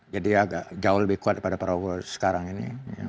jadi agak jauh lebih kuat daripada perahu sekarang ini